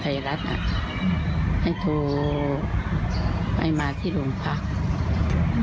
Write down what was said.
เจรัตน่ะให้โทรไปมาที่โรงพักษณ์